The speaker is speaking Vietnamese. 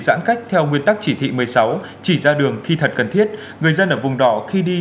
giãn cách theo nguyên tắc chỉ thị một mươi sáu chỉ ra đường khi thật cần thiết người dân ở vùng đỏ khi đi